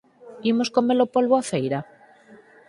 Imos come-lo polbo á feira?